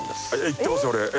行ってます俺。